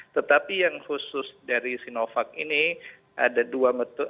tetapi yang khusus dari sinovac ini ada dua metode